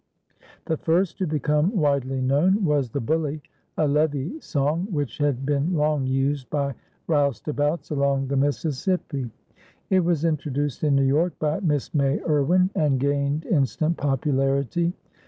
The first to become widely known was "The Bully," a levee song which had been long used by roustabouts along the Mississippi. It was introduced in New York by Miss May Irwin, and gained instant popularity.